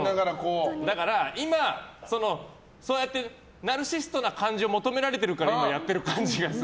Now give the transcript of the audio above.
今、そうやってナルシストな感じを求められてるからやってる感じがする。